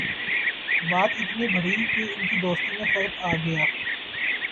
بات اتنی بڑھی کہ ان کی دوستی میں فرق آگیا